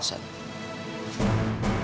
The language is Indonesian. kamu masih mau bilang